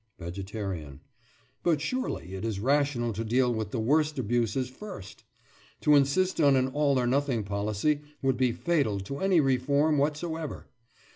VEGETARIAN: But surely it is rational to deal with the worst abuses first. To insist on an all or nothing policy would be fatal to any reform whatsoever.